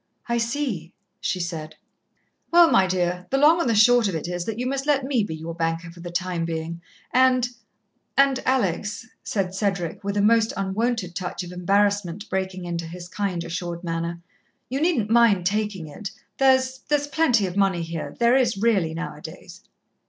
"I see," she said. "Well, my dear, the long and the short of it is, that you must let me be your banker for the time being. And and, Alex," said Cedric, with a most unwonted touch of embarrassment breaking into his kind, assured manner, "you needn't mind taking it. There's there's plenty of money here there is really now a days."